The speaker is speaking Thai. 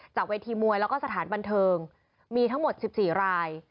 เวทีมวยแล้วก็สถานบันเทิงมีทั้งหมด๑๔ราย